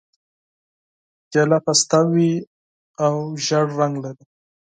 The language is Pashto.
کیله نرمه وي او ژېړ رنګ لري.